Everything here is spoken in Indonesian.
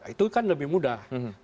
itu kan lebih mudah